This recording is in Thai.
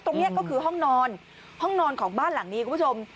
ตรงนี้ก็คือห้องนอนห้องนอนของบ้านหลังนี้คุณผู้ชม